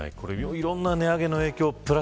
いろんな値上げの影響